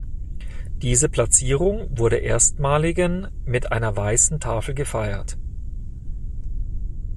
Diese Platzierung wurde erstmaligen mit einer weißen Tafel gefeiert.